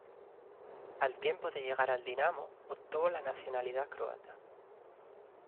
Al tiempo de llegar al Dinamo obtuvo la nacionalidad Croata.